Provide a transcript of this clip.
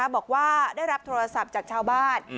บอกว่าได้รับโทรศัพท์จากชาวบ้าน